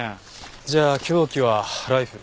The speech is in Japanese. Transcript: じゃあ凶器はライフル。